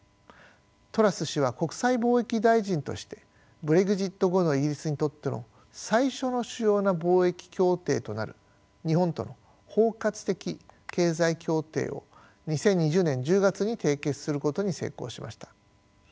トラス氏は国際貿易大臣としてブレグジット後のイギリスにとっての最初の主要な貿易協定となる日本との包括的経済協定を２０２０年１０月に締結することに成功しました。